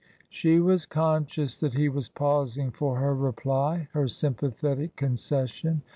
She was conscious that he was pausing for her reply, her sympathetic concession.